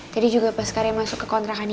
tadi juga pas karim masuk ke kontrakan ini